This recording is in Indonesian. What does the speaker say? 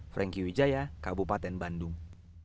franky wijaya kabupaten bandung